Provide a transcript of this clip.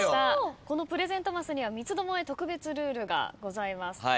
このプレゼントマスには三つ巴特別ルールがございます。